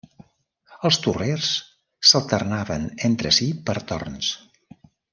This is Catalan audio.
Els torrers s'alternaven entre si per torns.